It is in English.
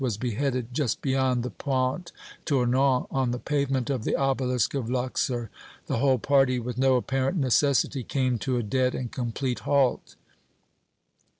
was beheaded, just beyond the Pont Tournant, on the pavement of the Obelisk of Luxor, the whole party, with no apparent necessity, came to a dead and complete halt.